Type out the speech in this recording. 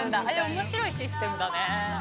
面白いシステムだね。